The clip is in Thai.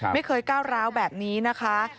ไม่เคยก้าวร้าวแบบนี้นะคะ